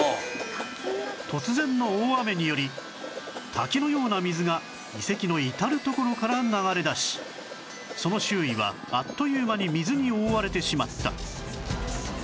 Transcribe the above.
突然の大雨により滝のような水が遺跡の至る所から流れ出しその周囲はあっという間に水に覆われてしまった